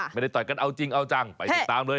ต่อยกันเอาจริงเอาจังไปติดตามเลย